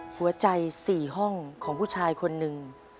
หัวใจ๔ห้องของผู้ชายคนหนึ่ง